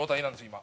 今。